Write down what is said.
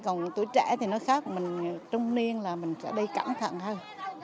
còn tuổi trẻ thì nó khác mình trung niên là mình sẽ đi cẩn thận hơn